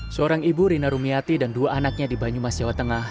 seorang ibu rina rumiati dan dua anaknya di banyumas jawa tengah